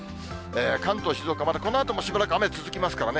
関東、静岡、このあともしばらく雨続きますからね。